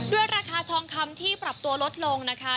ราคาทองคำที่ปรับตัวลดลงนะคะ